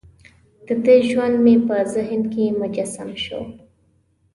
دده ژوند مې په ذهن کې مجسم شو.